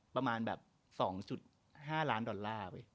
ประมาณแบบ๒๕ล้านดอลลาร์